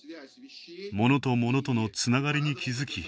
物と物とのつながりに気付き